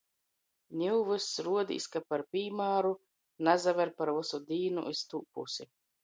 Niu vys ruodīs, ka, par pīmāru, nasaver par vysu dīnu iz tū pusi.